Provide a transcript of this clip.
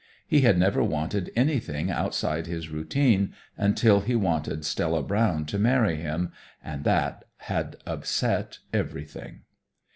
He had never wanted anything outside his routine until he wanted Stella Brown to marry him, and that had upset everything.